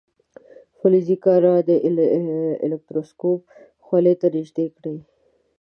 فلزي کره د الکتروسکوپ خولې ته نژدې کړئ.